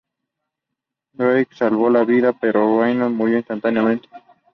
Drake salvó la vida, pero Raymond murió instantáneamente.